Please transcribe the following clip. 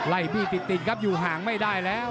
บี้ติดครับอยู่ห่างไม่ได้แล้ว